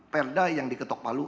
perda yang diketok palu